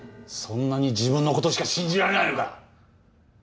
そんなに自分のことしか信じられないのか！